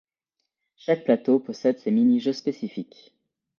Chaque plateau possède ses mini-jeux spécifiques.